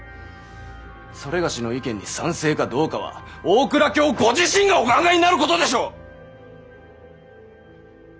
某の意見に賛成かどうかは大蔵卿ご自身がお考えになることでしょう！